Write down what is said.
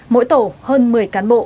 mỗi tổ hơn một mươi cán bộ